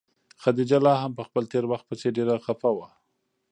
خدیجه لا هم په خپل تېر وخت پسې ډېره خفه وه.